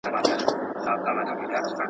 چا په غوږ کي را ویله ویده نه سې بندیوانه.